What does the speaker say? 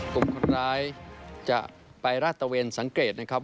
กลุ่มคนร้ายจะไปลาดตะเวนสังเกตนะครับ